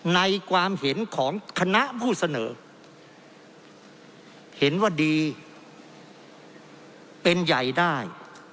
ในความเห็นของคณะผู้เสนอเห็นว่าดีเป็นใหญ่ได้